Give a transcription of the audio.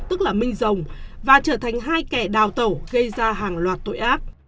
tức là minh rồng và trở thành hai kẻ đào tẩu gây ra hàng loạt tội ác